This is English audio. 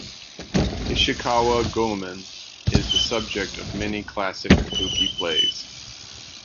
Ishikawa Goemon is the subject of many classic kabuki plays.